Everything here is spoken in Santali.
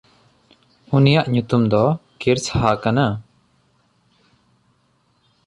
ᱩᱱᱤᱭᱟᱜ ᱧᱩᱛᱩᱢ ᱫᱚ ᱠᱤᱨᱥᱦᱟ ᱠᱟᱱᱟ᱾